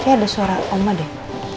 kayaknya ada suara oma deh